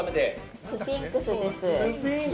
スフィンクスです。